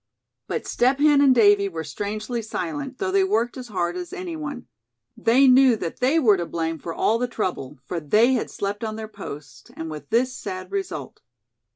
But Step Hen and Davy were strangely silent, though they worked as hard as any one. They knew that they were to blame for all the trouble; for they had slept on their post, and with this sad result.